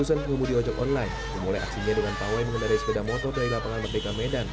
ratusan pengemudi ojek online memulai aksinya dengan pawai mengendarai sepeda motor dari lapangan merdeka medan